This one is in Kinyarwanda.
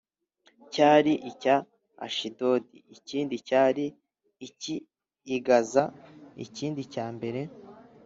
cyari icya Ashidodi ikindi cyari icy i Gaza ikindi cyambere